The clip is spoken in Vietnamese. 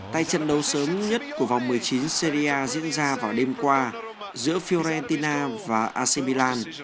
tại trận đấu sớm nhất của vòng một mươi chín serie a diễn ra vào đêm qua giữa fiorentina và ac milan